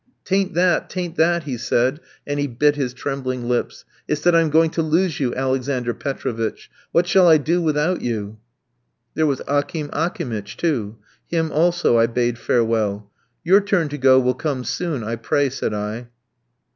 "'Tain't that, 'tain't that," he said, and he bit his trembling lips, "it's that I am going to lose you, Alexander Petrovitch! What shall I do without you?" There was Akim Akimitch, too; him, also, I bade farewell. "Your turn to go will come soon, I pray," said I.